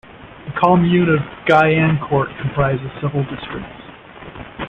The commune of Guyancourt comprises several districts.